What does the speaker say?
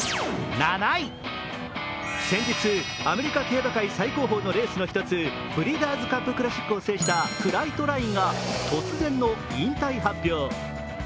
先日、アメリカ競馬界最高峰のレースの１つ、ブリーダーズカップクラシックを制したフライトラインが突然の引退発表。